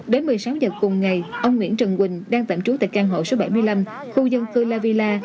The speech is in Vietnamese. đến một mươi sáu giờ cùng ngày ông nguyễn trần quỳnh đang tạm trú tại căn hộ số bảy mươi năm khu dân cư la villa